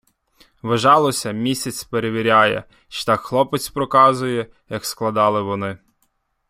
Ввижалося - місяць перевіряє, чи так хлопець проказує, як складали вони.